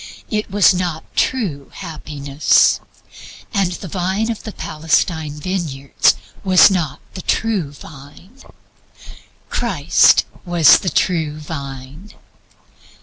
This was not true happiness, and the vine of the Palestine vineyards was not the true vine. "Christ was the true Vine."